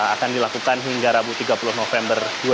akan dilakukan hingga rabu tiga puluh november dua ribu dua puluh